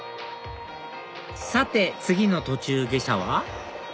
さて次の途中下車は？